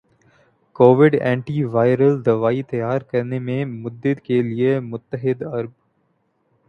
Covid antiviral دوائی تیار کرنے میں مدد کے لئے متحدہ عرب